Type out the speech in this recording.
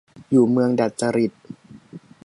อยู่เมืองดัดจริต